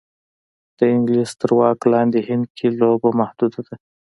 د انګلیس تر واک لاندې هند کې لوبه محدوده ده.